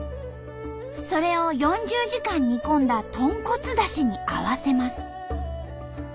それを４０時間煮込んだ豚骨だしに合わせます。